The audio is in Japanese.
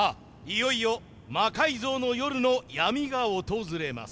いよいよ「魔改造の夜」の闇が訪れます。